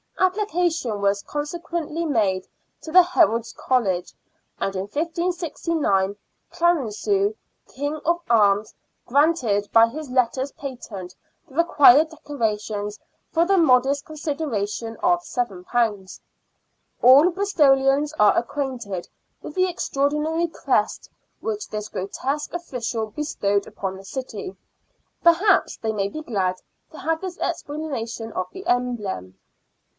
Application was consequently made to the Herald's College, and in 1569 Clarencieux, King of Arms, granted by his letters patent the required decorations for the modest consideration of £y. All Bristolians are acquainted with the extraordinary crest which this grotesque official bestowed upon the city. Perhaps they may be glad to have his explanation of the emblem.